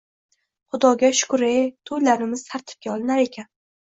“Xudoga shukr-e, to‘ylarimiz tartibga olinar ekan!”